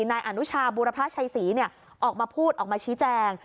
นายอนุชาบูรพชัยศรีออกมาพูดออกมาชี้แจง